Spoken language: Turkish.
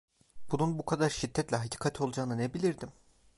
Bunun bu kadar şiddetle hakikat olacağını ne bilirdim?